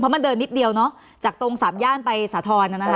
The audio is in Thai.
เพราะมันเดินนิดเดียวเนาะจากตรงสามย่านไปสาธรณ์นะฮะ